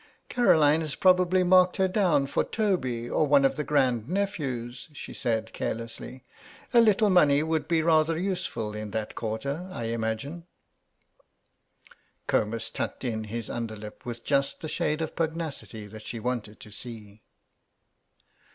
"Caroline has probably marked her down for Toby or one of the grand nephews," she said, carelessly; "a little money would be rather useful in that quarter, I imagine." Comus tucked in his underlip with just the shade of pugnacity that she wanted to see.